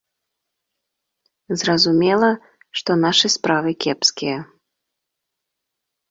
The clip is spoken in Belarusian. Зразумела, што нашы справы кепскія.